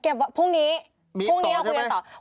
เก็บไว้พรุ่งนี้พรุ่งนี้เราคุยกันต่อมีต่อใช่ไหม